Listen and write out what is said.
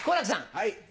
はい。